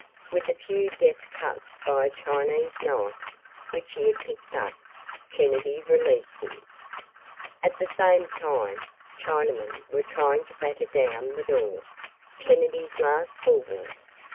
With a few deft cuts by a Chinese knife which he had picked up, Kennedy released him. At the same time, Chinamen were trying to batter down the door, Kennedy's last bulwark.